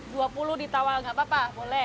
rp dua puluh an ditawa gak apa apa boleh